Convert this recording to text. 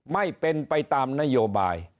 ไม่เป็นไปตามนโยบาย